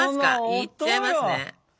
いっちゃいますね。